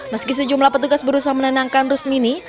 meski sejumlah petugas berusaha menenangkan rusmini